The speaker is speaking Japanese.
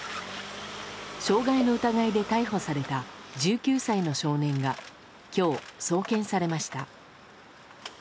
傷害の疑いで逮捕された１９歳の少年が今日、送検されました。